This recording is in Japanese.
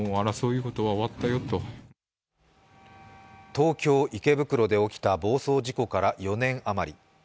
東京・池袋で起きた暴走事故から４年余り。